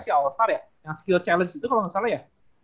yang skill challenge itu kalo gak salah ya